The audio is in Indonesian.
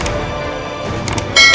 assalamualaikum warahmatullahi wabarakatuh